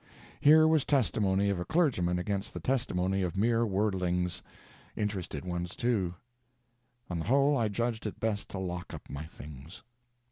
Here was testimony of a clergyman against the testimony of mere worldlings interested ones, too. On the whole, I judged it best to lock up my things.